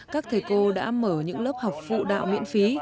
các thầy cô đã mở những lớp học phụ đạo miễn phí